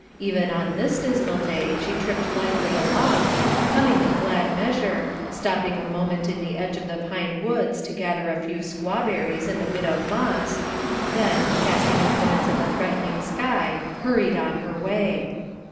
Even on this dismal day she tripped lightly along, humming a glad measure, stopping a moment in the edge of the pine woods to gather a few squaw berries and a bit of moss; then, casting a glance at the threatening sky, hurried on her way.